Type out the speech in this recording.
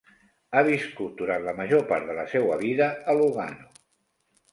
Ha viscut durant la major part de la seua vida a Lugano.